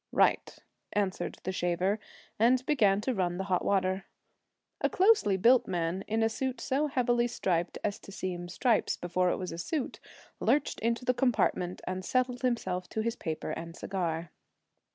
'Right,' answered the shaver; and began to run the hot water. A closely built man, in a suit so heavily striped as to seem stripes before it was a suit, lurched into the compartment and settled himself to his paper and cigar.